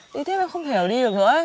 đi tiếp em không thể đi được